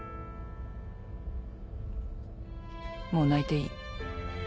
もう泣いていい。